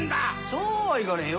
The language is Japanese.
そうはいかねえよ